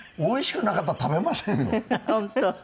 おいしくなかったら食べませんよ。